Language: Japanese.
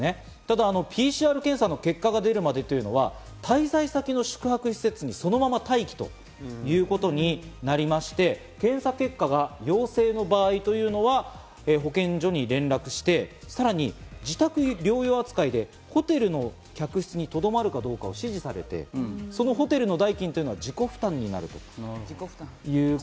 ただＰＣＲ検査の結果が出るまでは、滞在先の宿泊施設にそのまま待機ということになりまして、検査結果が陽性の場合は保健所に連絡して、さらに自宅療養扱いでホテルの客室にとどまるかどうかを指示されて、そのホテルの代金は自己負担になると。